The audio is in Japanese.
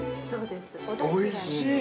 おいしい！